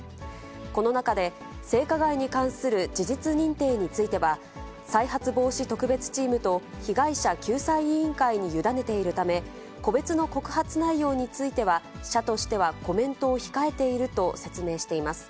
この中で、性加害に関する事実認定については、再発防止特別チームと被害者救済委員会に委ねているため、個別の告発内容については、社としてはコメントを控えていると説明しています。